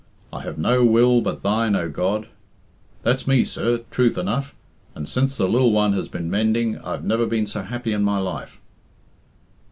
'I have no will but Thine, O God.' That's me, sir, truth enough, and since the lil one has been mending I've never been so happy in my life."